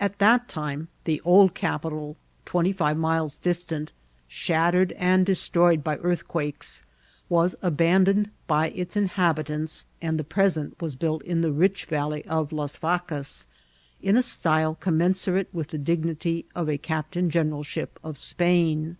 At that time the old capital, twentyi^fiTe miles distant, shattered and destroyed by earthquakes, was aban doned by its inhabitants, and the present was built in the rich ralley of Las Vaccas, in a style commensurate with the dignity of a captain generalship of Spain.